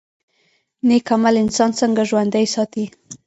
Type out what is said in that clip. نیک عمل انسان څنګه ژوندی ساتي؟